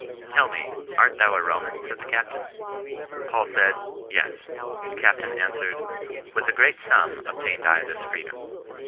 "Tell me, art thou a Roman 1" said the captain. Paul saidj Yea. The captain answered —" With a great sum ob tained I this freedom."